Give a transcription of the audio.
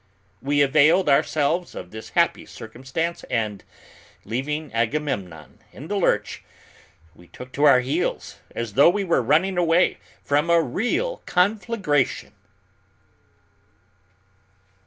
We availed ourselves of this happy circumstance and, leaving Agamemnon in the lurch, we took to our heels, as though we were running away from a real conflagration.